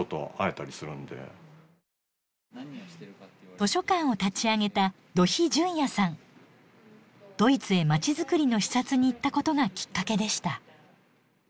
図書館を立ち上げたドイツへまちづくりの視察に行ったことがきっかけでした。